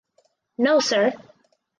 No sir!